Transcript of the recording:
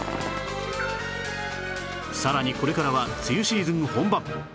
さらにこれからは梅雨シーズン本番